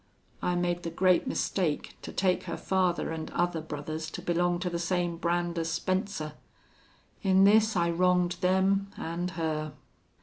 I made the great mistake to take her father an' other brothers to belong to the same brand as Spencer. In this I wronged them an' her.